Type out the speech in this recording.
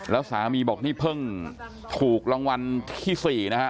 แล้วสามีบอกนี่เพิ่งถูกรางวัลที่๔นะฮะ